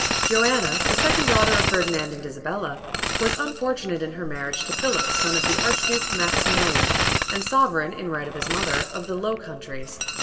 " Joanna, the second daughter of Ferdinand and Isabella, was unfortunate in her marriage to Philip, son of the Archduke Maximilian, and sovereign in right of his mother of the Low Countries.